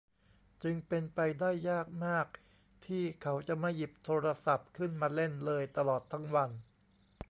จึงเป็นไปได้ยากมากที่เขาจะไม่หยิบโทรศัพท์ขึ้นมาเล่นเลยตลอดทั้งวัน